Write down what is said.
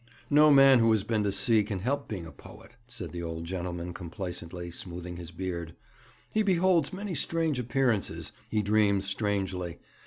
'No man who has been to sea can help being a poet,' said the old gentleman complacently, smoothing his beard. 'He beholds many strange appearances; he dreams strangely.